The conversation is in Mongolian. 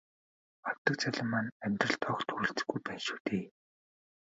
Авдаг цалин маань амьдралд огт хүрэлцэхгүй байна шүү дээ.